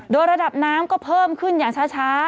โดยระดับน้ำก็เพิ่มขึ้นอย่างช้า